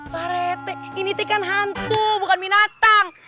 pak rt ini tuh kan hantu bukan minatang